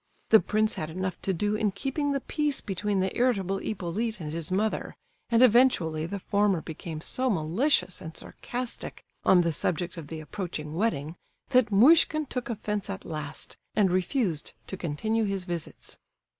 The prince had enough to do in keeping the peace between the irritable Hippolyte and his mother, and eventually the former became so malicious and sarcastic on the subject of the approaching wedding, that Muishkin took offence at last, and refused to continue his visits.